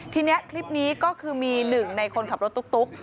ทีนี้คลิปนี้ก็คือมีหนึ่งในคนขับรถตุ๊ก